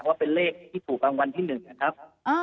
ว่าเป็นเลขที่ถูกรางวัลที่๑นะครับ